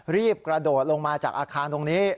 รีบกระโดดลงมาจากอาคารตรงนี้